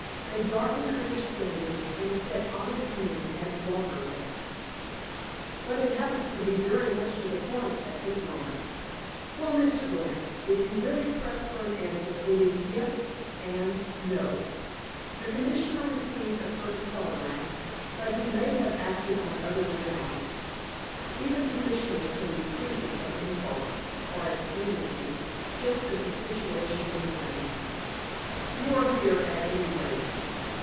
They darken understanding, and set honest men at loggerheads." "But it happens to be very much to the point at this moment." "Well, Mr. Grant, if you really press for an answer, it is 'Yes' and 'No.' The Commissioner received a certain telegram, but he may have acted on other grounds. Even Commissioners can be creatures of impulse, or expediency, just as the situation demands. "You are here, at any rate."